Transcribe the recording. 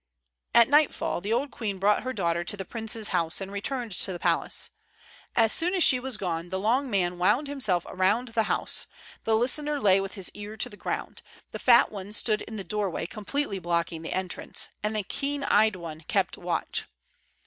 At nightfall the old queen brought her daughter to the prince's house and returned to the palace. As soon as she was gone, the long man wound himself around the house; the listener lay with his ear to the ground; the fat one stood in the doorway, completely blocking the entrance, and the keen eyed one kept watch.